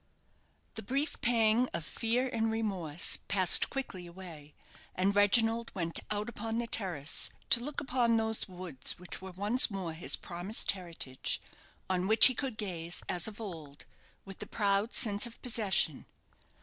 The brief pang of fear and remorse passed quickly away, and Reginald went out upon the terrace to look upon those woods which were once more his promised heritage; on which he could gaze, as of old, with the proud sense of possession.